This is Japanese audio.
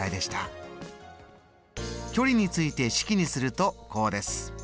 距離について式にするとこうです。